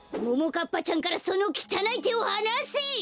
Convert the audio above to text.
ももかっぱちゃんからそのきたないてをはなせ！